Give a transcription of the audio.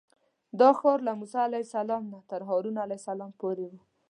دا ښار له موسی علیه السلام نه تر هارون علیه السلام پورې و.